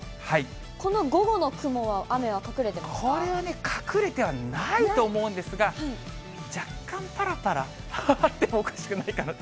この午後の雲は、これはね、隠れてはないと思うんですが、若干ぱらぱら、あってもおかしくないかなと。